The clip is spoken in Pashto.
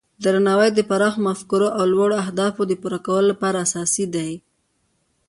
درناوی د پراخو مفکورو او لوړو اهدافو د پوره کولو لپاره اساسي دی.